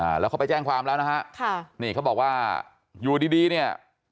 แล้วเขาไปแจ้งความแล้วนะฮะค่ะนี่เขาบอกว่าอยู่ดีดีเนี่ย